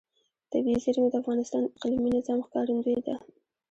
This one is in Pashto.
طبیعي زیرمې د افغانستان د اقلیمي نظام ښکارندوی ده.